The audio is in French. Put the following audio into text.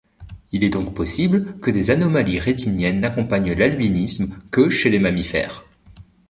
Il est donc possible que des anomalies rétiniennes n'accompagnent l'albinisme que chez les mammifères.